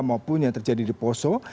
mau pun yang terjadi di puso